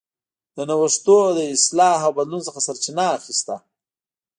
د نوښتونو له اصلاح او بدلون څخه سرچینه اخیسته.